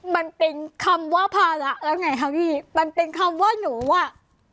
มันเป็นคำว่าภาระแล้วไงคะพี่มันเป็นคำว่าหนูอ่ะ